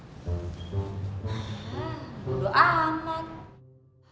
ah oh alex yaampun ganteng